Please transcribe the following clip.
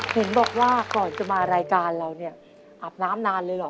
เห็นบอกว่าก่อนจะมารายการเราเนี่ยอาบน้ำนานเลยเหรอ